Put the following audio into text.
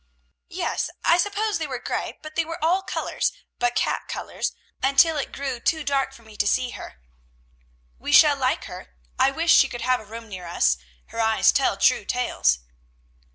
"Yes, I suppose they were gray; but they were all colors, but cat colors, until it grew too dark for me to see her." "We shall like her. I wish she could have a room near us. Her eyes tell true tales."